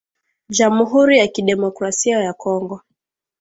jamuhuri ya kidemokrasia ya Kongo